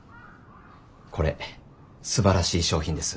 これすばらしい商品です。